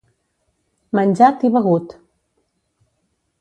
Menjat i begut.